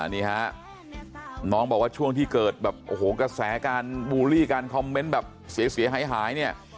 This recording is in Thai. นี่ฮะน้องบอกว่าช่วงที่เกิดแบบโอ้โหกระแสการบูลลี่การคอมเมนต์แบบเสียหายเนี่ย